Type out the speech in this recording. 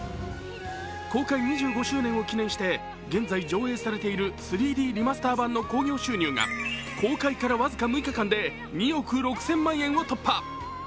公開２５周年を記念して現在、上映されている、３Ｄリマスター版の興行収入が公開から僅か６日間で２億６０００万円を突破。